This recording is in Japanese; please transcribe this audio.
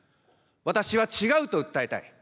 私は違うと訴えたい。